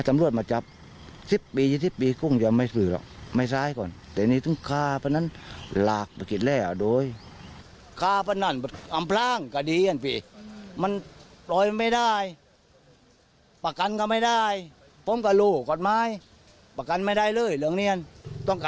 ทีนี้เราได้คุยกับนายฟลุ๊กนะคะ